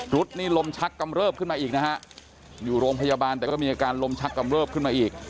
นี่ลมชักกำเริบขึ้นมาอีกนะฮะอยู่โรงพยาบาลแต่ก็มีอาการลมชักกำเริบขึ้นมาอีก